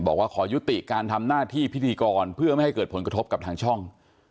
บอกว่าขอยุติการทำหน้าที่พิธีกรเพื่อไม่ให้เกิดผลกระทบกับทางช่อง